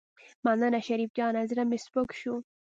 مننه شريف جانه زړه مې سپک شو.